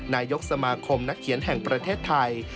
นายกสมาคมนักเขียนแห่งประเทศไทย